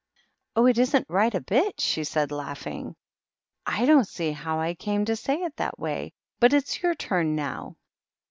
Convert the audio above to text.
" Oh, it isn't right a bit," she said, laughing. " I don't see how I came to say it that way. But it's your turn now."